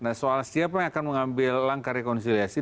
nah soal siapa yang akan mengambil langkah rekonsiliasi